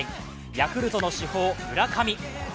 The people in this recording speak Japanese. ヤクルトの主砲・村上。